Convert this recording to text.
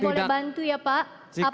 boleh bantu ya pak